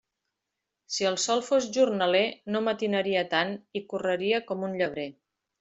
Si el sol fos jornaler, no matinaria tant i correria com un llebrer.